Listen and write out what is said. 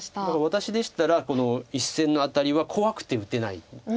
だから私でしたらこの１線のアタリは怖くて打てない。